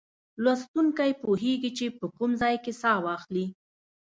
لوستونکی پوهیږي چې په کوم ځای کې سا واخلي.